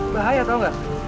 bahaya tau nggak